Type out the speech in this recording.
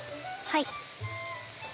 はい。